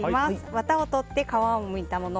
ワタを取って皮をむいたもの